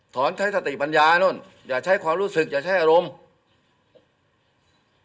ใช้สติปัญญานู่นอย่าใช้ความรู้สึกอย่าใช้อารมณ์